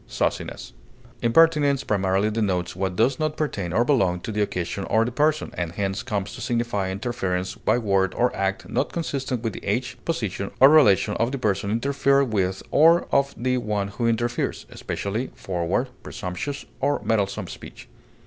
forwardness, Impertinence primarily denotes what does not pertain or belong to the occasion or the person, and hence comes to signify interference by word or act not consistent with the age, position, or relation of the person interfered with or of the one who interferes; especially, forward, presumptuous, or meddlesome speech.